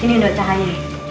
ini dokter ayo